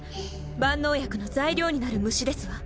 万能薬の材料になる虫ですわ。